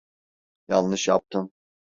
Yanlış yaptım.